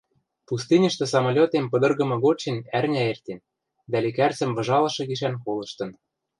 Пустыньышты самолетем пыдыргымы годшен ӓрня эртен, дӓ лекӓрцӹм выжалышы гишӓн колыштын